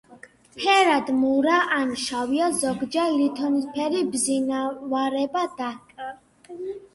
ფერად მურა ან შავია, ზოგჯერ ლითონისებრი ბზინვარება დაკრავს.